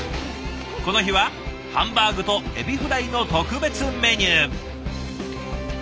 この日はハンバーグとエビフライの特別メニュー。